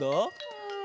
うん。